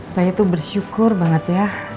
saya tuh bersyukur banget ya